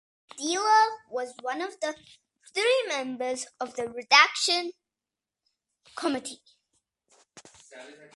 Dehler was one of three members of the redaction committee.